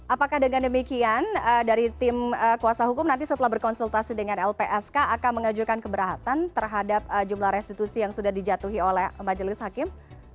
apakah dengan demikian dari tim kuasa hukum nanti setelah berkonsultasi dengan lpsk akan mengajukan keberatan terhadap jumlah restitusi yang sudah dijatuhi oleh majelis hakim